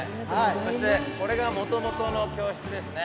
そして、これがもともとの教室ですね。